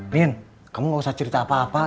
bin kamu gak usah cerita apa apa